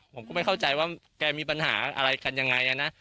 ผมก็ไม่เข้าใจว่าแกมีปัญหาอะไรกันยังไงนะ